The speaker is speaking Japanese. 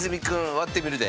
割ってみるで。